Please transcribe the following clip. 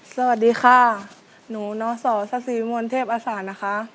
สวัสดีค่ะหนูน้อสอซาซีวิมวลเทพอสารนะคะ